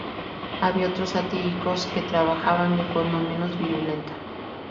Había otros satíricos que trabajaban de forma menos virulenta.